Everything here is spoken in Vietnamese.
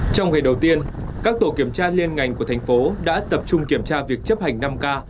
trong ngày đầu tiên các tổ kiểm tra liên ngành của thành phố đã tập trung kiểm tra việc chấp hành năm k